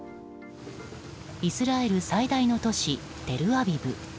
イスラエル最大の都市テルアビブ。